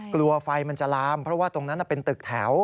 กลัวไฟมันจะลามเพราะว่าตรงนั้นเป็นตึกแถว